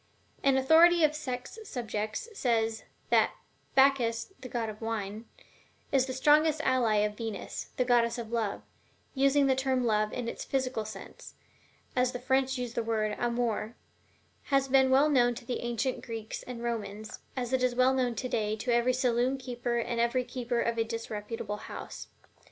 An authority of sex subjects says: "That Bacchus, the god of wine, is the strongest ally of Venus, the goddess of love, using the term Love in its physical sense, as the French use the word 'amour,' has been well known to the ancient Greeks and Romans, as it is well known today to every saloon keeper and every keeper of a disreputable house.